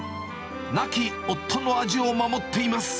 亡き夫の味を守っています。